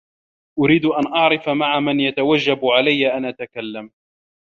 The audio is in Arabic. أريد أن أعرف مع من يتوجب علي أن أتكلم.